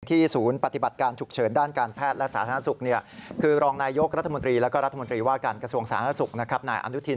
ที่ศูนย์ปฏิบัติการชุบเฉินด้านการแพทย์ละสา